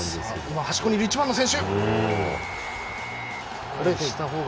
端っこにいる１番の選手。